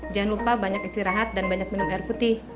jangan lupa banyak istirahat dan banyak minum air putih